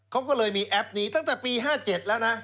เขาก็เลยมีแอปนี้ตั้งแต่ปี๕๗แล้วนะ